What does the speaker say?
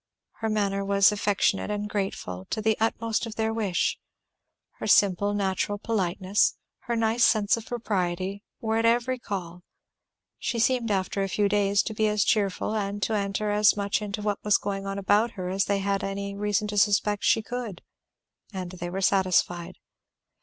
Her manner was affectionate and grateful, to the utmost of their wish; her simple natural politeness, her nice sense of propriety, were at every call; she seemed after a few days to be as cheerful and to enter as much into what was going on about her as they had any reason to expect she could; and they were satisfied.